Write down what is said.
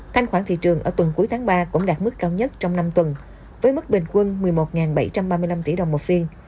thanh khoản thị trường ở tuần cuối tháng ba cũng đạt mức cao nhất trong năm tuần với mức bình quân một mươi một bảy trăm ba mươi năm tỷ đồng một phiên